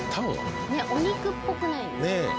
お肉っぽくないですか？